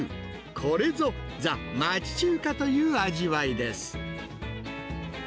これぞ、ザ・町中華という味わいです。